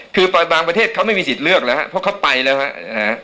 คือบางประเทศเขาไม่มีสิทธิ์เลือกแล้วครับเพราะเขาไปแล้วฮะนะฮะ